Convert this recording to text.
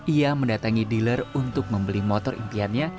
ia mendatangi dealer untuk membeli motor impiannya